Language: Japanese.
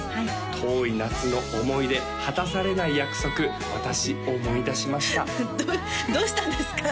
遠い夏の思い出果たされない約束私思い出しましたどうしたんですか？